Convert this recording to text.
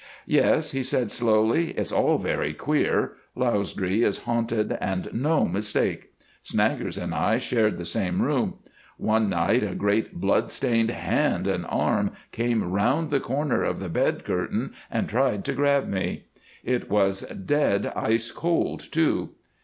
"Yes," he said slowly, "it's all very queer. Lausdree is haunted and no mistake. Snaggers and I shared the same room. One night a great blood stained hand and arm came round the corner of the bed curtain and tried to grab me. It was dead ice cold too.